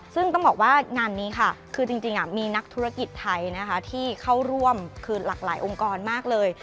ซึ่งต้องบอกว่างานนี้ค่ะคือจริงมีนักธุรกิจไทยนะคะที่เข้าร่วมคือหลากหลายองค์กรมากเลย